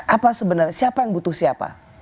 apa sebenarnya siapa yang butuh siapa